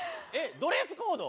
ドレスコード？